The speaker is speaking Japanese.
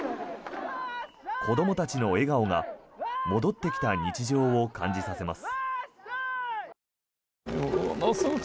子どもたちの笑顔が戻ってきた日常を感じさせます。